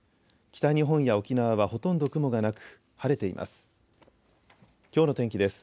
北日本や沖縄はほとんど雲がなく晴れています。